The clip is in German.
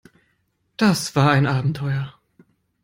Das war ein Abenteuer.